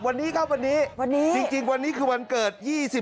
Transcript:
วันนี้ครับวันนี้วันนี้จริงวันนี้คือวันเกิด๒๕